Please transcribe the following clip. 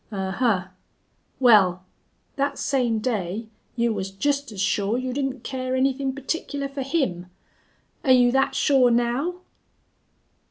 "Ahuh! Wal, thet same day you was jest as sure you didn't care anythin' particular fer him. Are you thet sure now?"